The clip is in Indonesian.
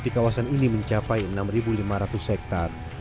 di kawasan ini mencapai enam lima ratus hektare